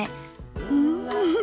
うん！